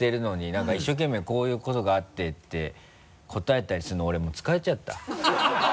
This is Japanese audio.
なんか一生懸命「こういうことがあって」って答えたりするの俺もう疲れちゃった。